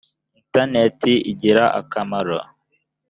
interineti igira akamaro.